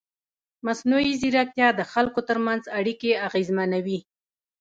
مصنوعي ځیرکتیا د خلکو ترمنځ اړیکې اغېزمنوي.